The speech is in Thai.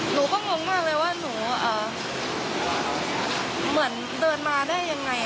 หนูก็งงมากเลยว่าหนูเหมือนเดินมาได้ยังไง